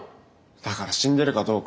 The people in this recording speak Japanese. だから死んでるかどうか。